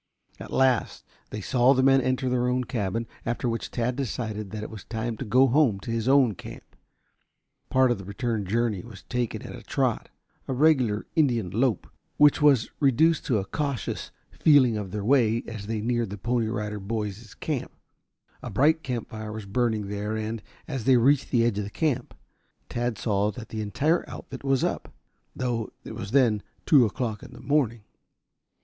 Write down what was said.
At last they saw the men enter their own cabin, after which Tad decided that it was time to go home to his own camp. Part of the return journey was taken at a trot, a regular Indian lope, which was reduced to a cautious feeling of their way as they neared the Pony Rider Boys' camp. A bright campfire was burning there and, as they reached the edge of the camp, Tad saw that the entire outfit was up, though it was then two o'clock in the morning.